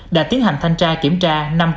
đã tiến hành thanh tra kiểm tra